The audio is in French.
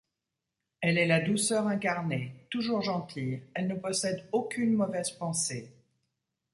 Elle est la douceur incarnée, toujours gentille, elle ne possède aucune mauvaise pensée.